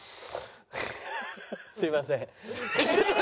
すいません。